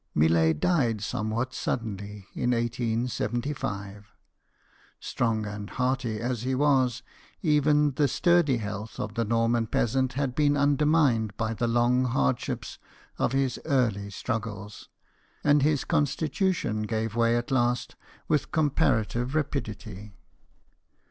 Millet died somewhat suddenly in 1875. Strong and hearty as he was, even the sturdy health of the Norman peasant had been under mined by the long hardships of his early struggles, and his constitution gave way at last with comparative rapidity.